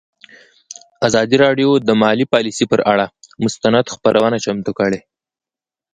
ازادي راډیو د مالي پالیسي پر اړه مستند خپرونه چمتو کړې.